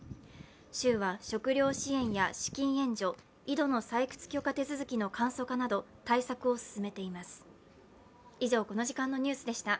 州は食糧支援や資金援助、井戸の採掘許可手続きの簡素化など対策を進めています。